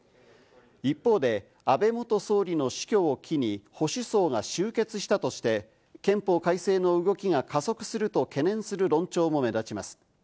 一方で、安倍元総理の死去を機に、保守層が集結したとして、憲法改正の動きが加速すると懸念する論調が目立ちます。